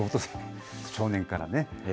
少年からね。